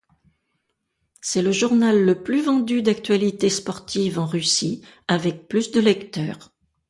C'est le journal le plus vendu d'actualité sportive en Russie, avec plus de lecteurs.